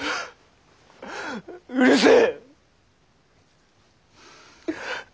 うるせぇ。